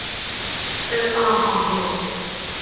เออออห่อหมก